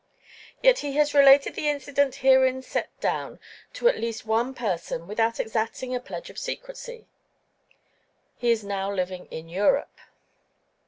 Yet he has related the incident herein set down to at least one person without exacting a pledge of secrecy. He is now living in Europe.